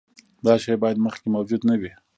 دا شی باید مخکې موجود نه وي.